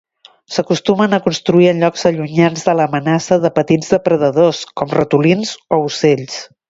S'acostumen a construir en llocs allunyats de l'amenaça de petits depredadors, com ratolins o ocells.